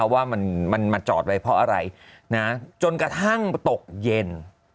ว่ามันมาจอดไว้เพราะอะไรจนกระทั่งตกเย็น